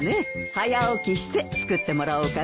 早起きして作ってもらおうかね。